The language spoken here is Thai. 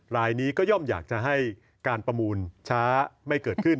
รายนี้ก็ย่อมอยากจะให้การประมูลช้าไม่เกิดขึ้น